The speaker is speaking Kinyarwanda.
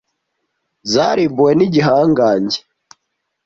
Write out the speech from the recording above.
zarimbuwe nigihangange.